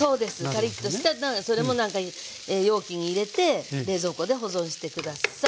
カリっとしたらそれもなんか容器に入れて冷蔵庫で保存して下さい。